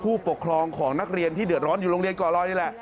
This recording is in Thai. ผู้ปกครองของนักเรียนที่เดือดร้อนอยู่โรงเรียนก่อลอยนี่แหละ